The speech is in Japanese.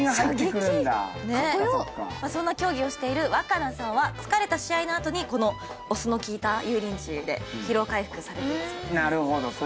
そんな競技をしている和奏さんは疲れた試合の後にこのお酢の効いた油淋鶏で疲労回復されているそうです。